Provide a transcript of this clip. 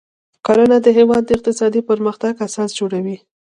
کرنه د هیواد د اقتصادي پرمختګ اساس جوړوي.